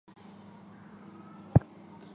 此后从事教员。